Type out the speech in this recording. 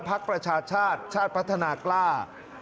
ประชาชาติชาติพัฒนากล้า